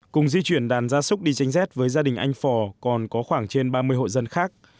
cùng di chuyển đàn gia súc đi tranh rét với gia đình anh phò còn có khoảng trên ba mươi hộ dân khác